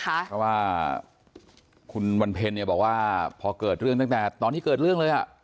เพราะว่าคุณวันเพ็ญเนี่ยบอกว่าพอเกิดเรื่องตั้งแต่ตอนที่เกิดเรื่องเลยอ่ะ